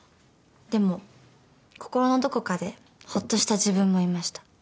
でも心のどこかでほっとした自分もいました。